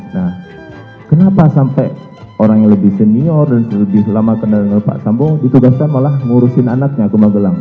nah kenapa sampai orang yang lebih senior dan lebih lama kenal pak sambo ditugaskan malah ngurusin anaknya ke magelang